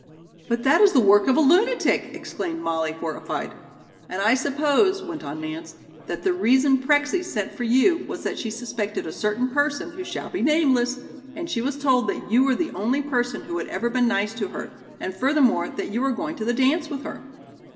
"But that is the work of a lunatic," exclaimed Molly, horrified. "And I suppose," went on Nance, "that the reason Prexy sent for you was that she suspected a certain person, who shall be nameless, and she was told that you were the only person who had ever been nice to her, and furthermore that you were going to the dance with her."